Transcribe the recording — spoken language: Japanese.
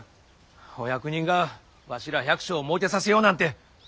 お役人がわしら百姓をもうけさせようなんて思うはずあるかいな。